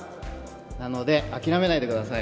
なので諦めないでください。